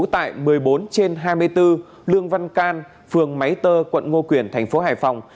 tại một mươi bốn trên hai mươi bốn lương văn can phường máy tơ quận ngô quyền thành phố hải phòng